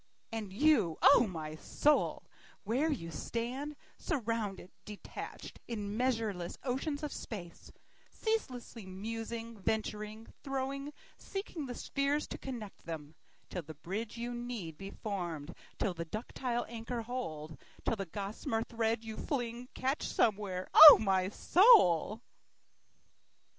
And you O my soul where you stand, Surrounded, detached, in measureless oceans of space, Ceaselessly musing, venturing, throwing, seeking the spheres to connect them, Till the bridge you will need be form'd, till the ductile anchor hold, Till the gossamer thread you fling catch somewhere, O my soul.